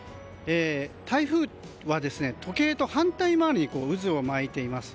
台風は時計と反対回りに渦を巻いています。